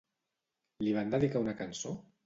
Li van dedicar una cançó?